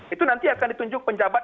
itu nanti akan ditunjuk penjabat